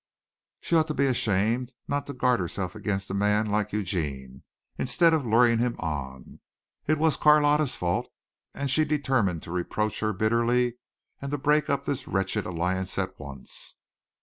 She ought to be ashamed not to guard herself against a man like Eugene, instead of luring him on. It was Carlotta's fault, and she determined to reproach her bitterly and to break up this wretched alliance at once.